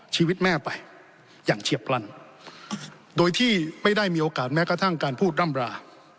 ชีวิตแม่ไปอย่างเฉียบพลันโดยที่ไม่ได้มีโอกาสแม้กระทั่งการพูดร่ำรา